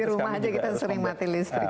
di rumah aja kita sering mati listrik